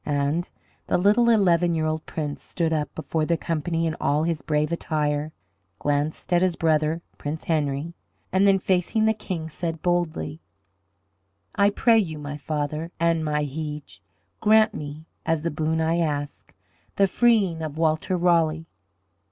And the little eleven year old Prince stood up before the company in all his brave attire, glanced at his brother Prince Henry, and then facing the King said boldly: "I pray you, my father and my Hege, grant me as the boon I ask the freeing of Walter Raleigh."